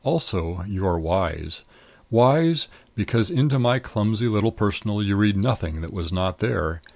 Also, you are wise. Wise, because into my clumsy little Personal you read nothing that was not there.